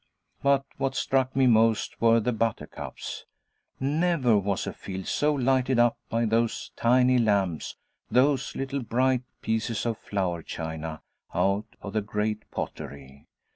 But what struck me most were the buttercups. Never was field so lighted up by those tiny lamps, those little bright pieces of flower china out of the Great Pottery.